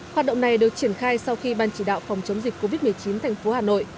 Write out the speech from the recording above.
hoạt động này được triển khai sau khi ban chỉ đạo phòng chống dịch covid một mươi chín thành phố hà nội